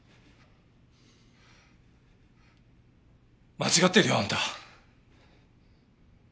間違ってるよあんた。